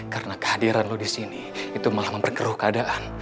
karena kehadiran lo disini itu malah memperkeruh keadaan